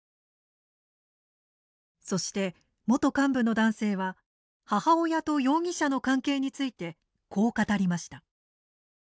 そして、元幹部の男性は母親と容疑者の関係についてこう語りました。